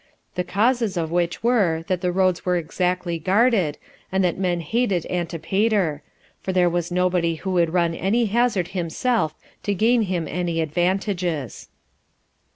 The causes of which were, that the roads were exactly guarded, and that men hated Antipater; for there was nobody who would run any hazard himself to gain him any advantages.